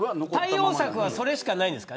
対応策はそれしかないんですか。